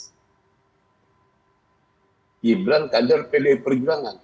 mas gibran kandar pdip perjuangan